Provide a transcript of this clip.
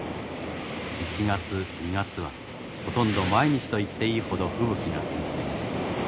１月２月はほとんど毎日と言っていいほど吹雪が続きます。